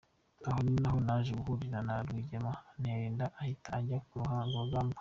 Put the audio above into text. Aho ni ho naje guhurira na Rwigema antera inda ahita ajya ku rugamba.”